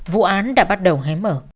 vụ án đã bắt đầu hé mở